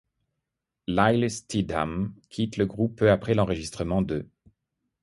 Lyle Steadham quitte le groupe peu après l'enregistrement de '.